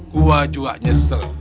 gua juga nyesel